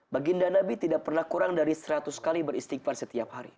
baginda nabi tidak pernah kurang dari seratus kali beristighfar setiap hari